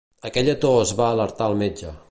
Aquella tos va alertar el metge.